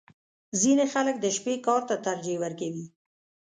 • ځینې خلک د شپې کار ته ترجیح ورکوي.